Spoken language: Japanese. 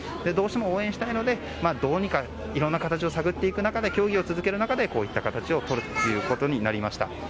どうしても応援したいのでどうにか、いろいろな形を探っていく中で協議を続ける中でこういった形をとることになりました。